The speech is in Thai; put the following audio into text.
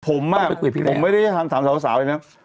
ผมอ่ะผมไม่ได้ทันสามสาวอย่างนั้น